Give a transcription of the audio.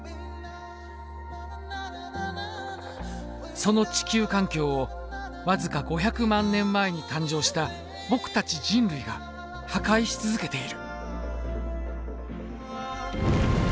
その地球環境を僅か５００万年前に誕生した僕たち人類が破壊し続けている。